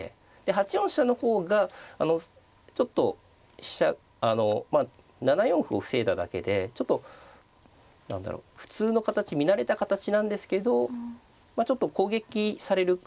８四飛車の方がちょっとあのまあ７四歩を防いだだけでちょっと何だろう普通の形見慣れた形なんですけどまあちょっと攻撃される可能性が高いというか。